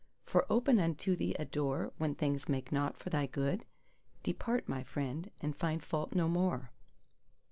For open unto thee a door, when things make not for thy good?—Depart, my friend and find fault no more!